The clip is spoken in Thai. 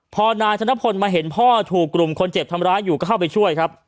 พอนายธนพลมาเห็นพ่อถูกกลุ่มคนเจ็บทำร้ายอยู่ก็เข้าไปช่วยครับ